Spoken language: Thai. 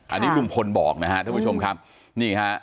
อันนี้ลุงพลบอกนะฮะท่านผู้ชมครับนี่ฮะ